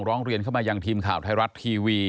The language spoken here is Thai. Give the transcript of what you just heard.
ร้องเรียนเข้ามายังทีมข่าวไทยรัฐทีวี